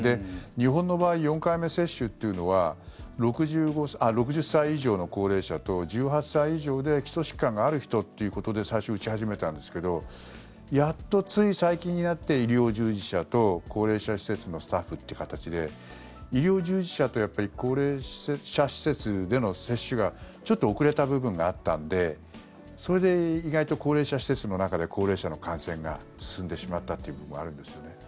日本の場合４回目接種というのは６０歳以上の高齢者と１８歳以上で基礎疾患がある人ということで最初打ち始めたんですけどやっとつい最近になって医療従事者と高齢者施設のスタッフという形で医療従事者と高齢者施設での接種がちょっと遅れた部分があったのでそれで意外と高齢者施設の中で高齢者の感染が進んでしまったという部分もあるんですよね。